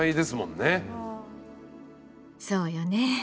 そうよね。